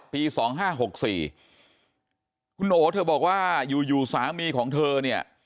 ปีสองห้าหกสี่คุณโอบอกว่าอยู่อยู่สามีของเธอเนี้ย